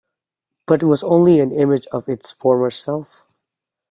But it was only an image of its former self.